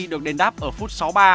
được đền đáp ở phút sáu ba